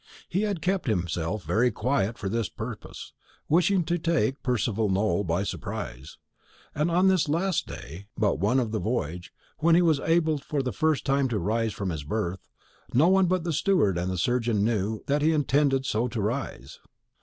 He had kept himself very quiet for this purpose, wishing to take Percival Nowell by surprise; and on this last day but one of the voyage, when he was able for the first time to rise from his berth, no one but the steward and the surgeon knew that he intended so to rise.